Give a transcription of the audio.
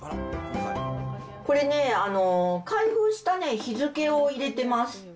これね、開封した日付を入れてます。